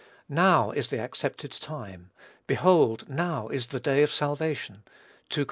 "Now is the accepted time; behold, now is the day of salvation." (2 Cor.